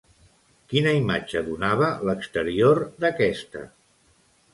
Quina imatge donava l'exterior d'aquesta?